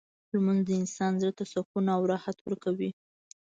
لمونځ د انسان زړه ته سکون او راحت ورکوي.